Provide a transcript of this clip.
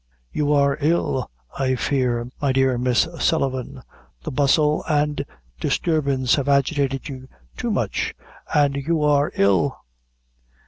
"You are ill, I fear, my dear Miss Sullivan; the bustle and disturbance have agitated you too much, and you are ill."